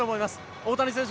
大谷選手